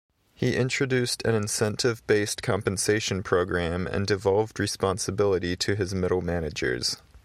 He introduced an incentive-based compensation program and devolved responsibility to his middle managers.